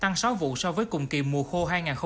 tăng sáu vụ so với cùng kỳ mùa khô hai nghìn hai mươi ba